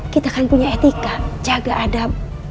kita kan punya etika jaga adab